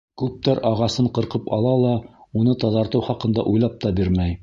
Күптәр ағасын ҡырҡып ала ла уны таҙартыу хаҡында уйлап та бирмәй.